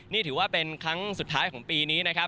นี่ถือว่าเป็นครั้งสุดท้ายของปีนี้นะครับ